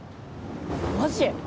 マジ？